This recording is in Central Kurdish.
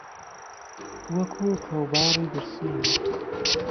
وەکوو کهوباڕی برسین